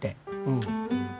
うん。